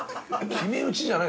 決め打ちじゃない？